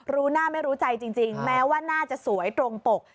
รู้หน้าไม่รู้ใจจริงแม้ว่าน่าจะสวยตรงปก